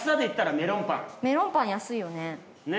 メロンパン安いよね。